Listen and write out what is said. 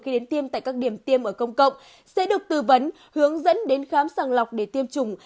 khi đến tiêm tại các điểm tiêm ở công cộng sẽ được tư vấn hướng dẫn đến khám sàng lọc để tiêm chủng